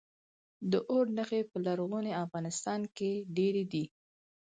د اور نښې په لرغوني افغانستان کې ډیرې دي